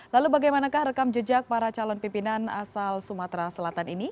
lalu bagaimanakah rekam jejak para calon pimpinan asal sumatera selatan ini